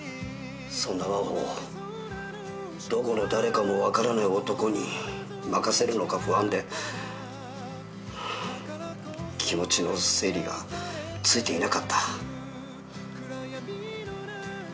そんな麻帆をどこの誰かも分からない男に任せるのが不安で気持ちの整理がついていなかった。